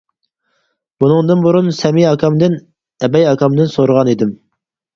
بۇنىڭدىن بۇرۇن، سەمى ئاكامدىن، ئەبەي ئاكامدىن سورىغانىدىم.